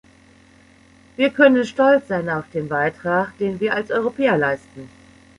Wir können stolz sein auf den Beitrag, den wir als Europäer leisten.